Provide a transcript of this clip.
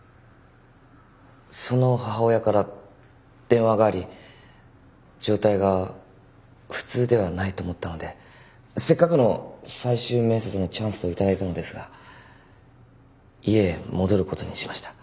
その母親から電話があり状態が普通ではないと思ったのでせっかくの最終面接のチャンスを頂いたのですが家へ戻ることにしました。